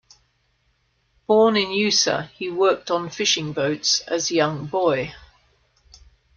Born in Usa, he worked on fishing boats as young boy.